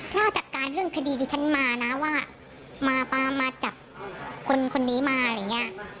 ถ้าจัดการเรื่องคดีที่ฉันมานะว่ามามาจับคนนี้มาอะไรอย่างเงี้ย